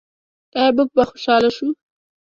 آیا موږ به خوشحاله شو؟